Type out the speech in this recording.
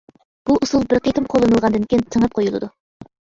بۇ ئۇسۇل بىر قېتىم قوللىنىلغاندىن كېيىن تېڭىپ قويۇلىدۇ.